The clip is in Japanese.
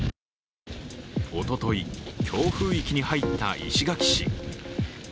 おととい強風域に入った石垣市。